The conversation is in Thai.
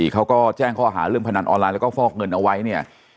เขาก็แจ้งข้อหาเรื่องพนันออนไลน์แล้วก็ฟอกเงินเอาไว้เนี่ย